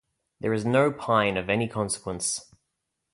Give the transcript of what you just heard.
There is no Pine of any consequence.